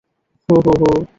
হো, হো, হো!